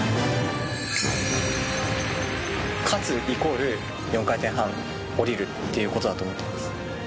勝つイコール４回転半を降りるということだと思っています。